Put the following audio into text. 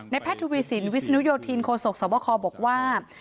ในแพทย์ธุวิสินวิสนุยธินโคศกสวบคอบอกว่า